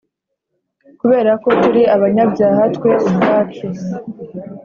Kubera ko turi abanyabyaha, twe ubwacu